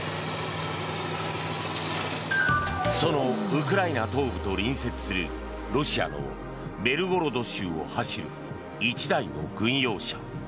そのウクライナ東部と隣接するロシアのベルゴロド州を走る１台の軍用車。